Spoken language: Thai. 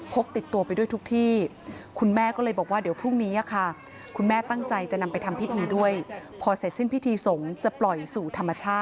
พกติดตัวไปด้วยทุกที่คุณแม่ก็เลยบอกว่าเดี๋ยวพรุ่งนี้ค่ะ